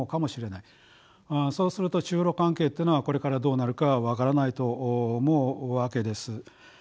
そうすると中ロ関係っていうのはこれからどうなるかは分からないと思うわけです。